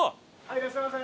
いらっしゃいませ！